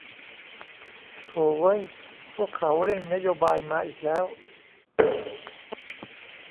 โธ่เว้ย พวกเขาเร่งนโยบายมาอีกแล้ว